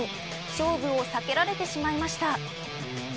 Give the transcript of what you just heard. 勝負を避けられてしまいました。